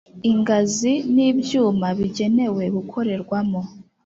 ingazi n ibyumba bigenewe gukorerwamo